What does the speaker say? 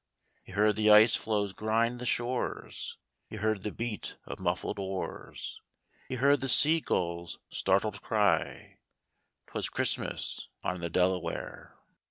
He heard the ice floes grind the shores. He heard the beat of muffled oars, He heard the sea gull's startled cry ; 'Twas Christmas on the Delaware.